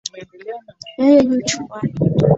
Yeye yu chumbani.